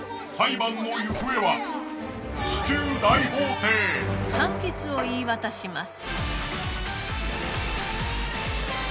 判決を言い渡します！